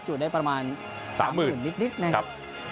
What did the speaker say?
จูดได้ประมาณ๓๐๐๐๐นิดนิดนะครับ